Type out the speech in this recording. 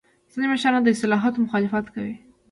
ځینې مشران د اصلاحاتو مخالفت کوي.